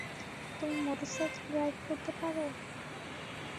তুমি motorcycle drive করতে পারো?